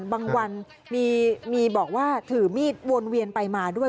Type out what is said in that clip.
บางวันมีบอกว่าถือมีดวนเวียนไปมาด้วย